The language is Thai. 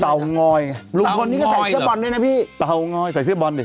เงอยลุงพลนี่ก็ใส่เสื้อบอลด้วยนะพี่เตางอยใส่เสื้อบอลดิ